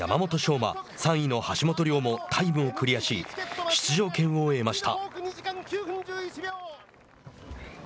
馬、３位の橋本崚もタイムをクリアし出場権を得ました。